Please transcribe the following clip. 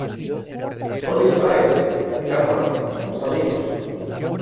¡ No dispares! Calma. somos amigos.